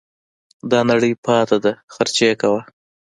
دا نړۍ پاته ده خرچې کوه